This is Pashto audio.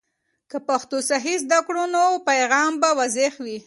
که پښتو صحیح زده کړو، پیغام به واضح وي.